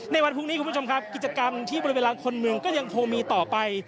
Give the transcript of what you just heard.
ในวันพรุ่งนี้คุณผู้ชมครับกิจกรรมที่บริเวณลานคนเมืองก็ยังคงมีต่อไป